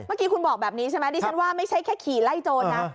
เมื่อกี้คุณบอกแบบนี้ใช่ไหมดิฉันว่าไม่ใช่แค่ขี่ไล่โจรนะ